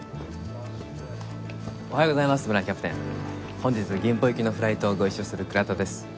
「おはようございます村井キャプテン」「本日金浦行きのフライトをご一緒する倉田です」